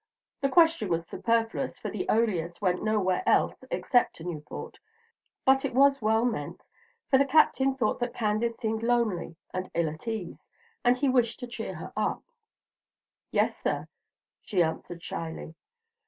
The question was superfluous, for the "Eolus" went nowhere else except to Newport; but it was well meant, for the Captain thought that Candace seemed lonely and ill at ease, and he wished to cheer her. "Yes, sir," she answered, shyly.